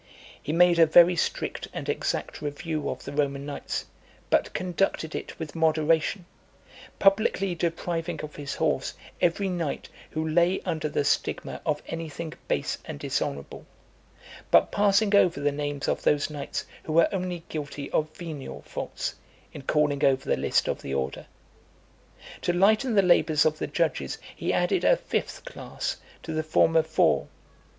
He made a very strict and exact review of the Roman knights, but conducted it with moderation; publicly depriving of his horse every knight who lay under the stigma of any thing base and dishonourable; but passing over the names of those knights who were only guilty of venial faults, in calling over the list of the order. To lighten the labours of the judges, he added a fifth class to the former four.